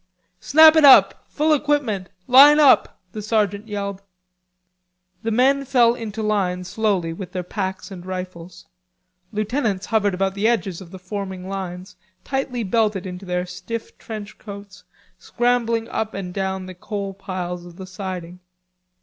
"Snap it up.... Full equipment.... Line up!" the sergeant yelled. The men fell into line slowly, with their packs and rifles. Lieutenants hovered about the edges of the forming lines, tightly belted into their stiff trench coats, scrambling up and down the coal piles of the siding.